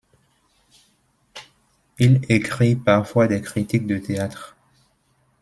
Il écrit parfois des critiques de théâtre.